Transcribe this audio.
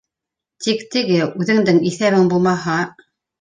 - Тик теге... үҙеңдең иҫәбең булмаһа...